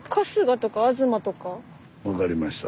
分かりました。